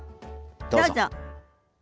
どうぞ。